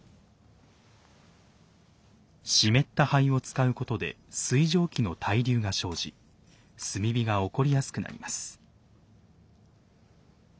湿った灰を使うことで水蒸気の対流が生じ炭火が起こりやすくなります。